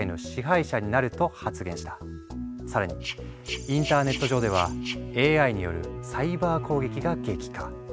更にインターネット上ではＡＩによるサイバー攻撃が激化。